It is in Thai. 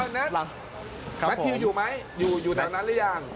นัทแมททิวอยู่ไหมอยู่แถวนั้นหรือยัง